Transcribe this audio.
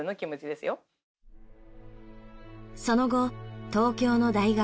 その後東京の大学